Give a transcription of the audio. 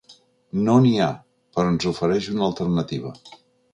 No n’hi ha, però ens ofereix una alternativa.